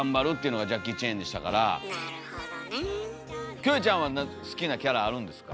キョエちゃんは好きなキャラあるんですか？